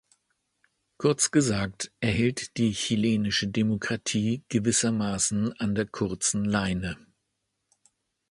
Kurz gesagt, er hält die chilenische Demokratie gewissermaßen an der kurzen Leine.